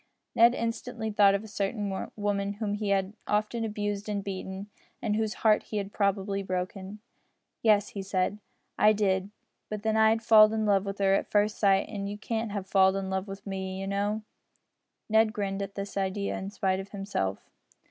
Ned instantly thought of a certain woman whom he had often abused and beaten, and whose heart he had probably broken. "Yes," he said, "I did; but then I had falled in love wi' her at first sight, and you can't have falled in love wi' me, you know." Ned grinned at this idea in spite of himself.